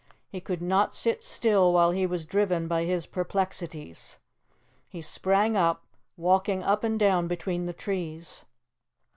He could not sit still while he was driven by his perplexities. He sprang up, walking up and down between the trees.